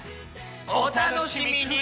お楽しみに！